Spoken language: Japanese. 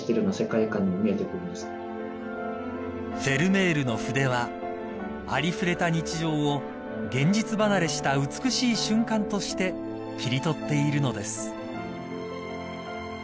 ［フェルメールの筆はありふれた日常を現実離れした美しい瞬間として切り取っているのです］